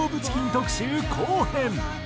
特集後編。